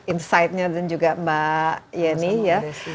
insightnya dan juga mbak yeni ya